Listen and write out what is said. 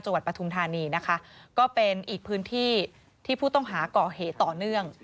ปฐุมธานีนะคะก็เป็นอีกพื้นที่ที่ผู้ต้องหาก่อเหตุต่อเนื่อง